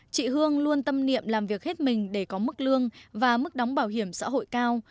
chị hương luôn tâm niệm làm việc hết mình để có mức lương và mức đóng bảo hiểm xã hội cao